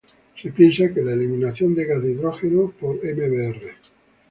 Se piensa que la eliminación de gas de hidrógeno por "Mbr.